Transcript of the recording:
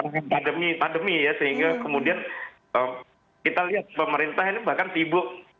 dengan pandemi pandemi ya sehingga kemudian kita lihat pemerintah ini bahkan sibuk